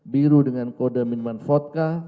biru dengan kode minuman fotka